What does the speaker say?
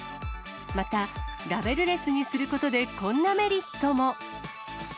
またラベルレスにすることで、こんなメリットも。